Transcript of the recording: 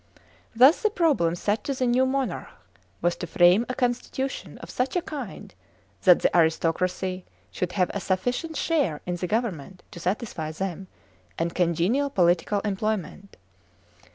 Thus the problem set to the new monarch was to frame a constitution of such a kind that the aristocracy should have a sufficient share in the government to satisfy them, and congenial political employment.